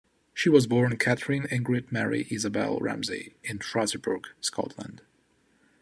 She was born Katharine Ingrid Mary Isabel Ramsay in Fraserburgh, Scotland.